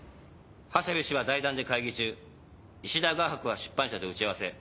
長谷部氏は財団で会議中石田画伯は出版社で打ち合わせ。